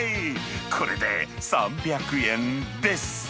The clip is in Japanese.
これで３００円です。